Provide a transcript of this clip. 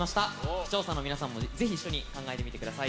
視聴者の皆さんもぜひ一緒に考えてみてください。